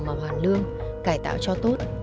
mà hoàn lương cải tạo cho tốt